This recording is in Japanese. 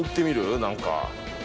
何か。